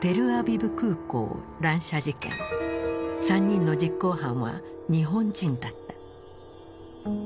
３人の実行犯は日本人だった。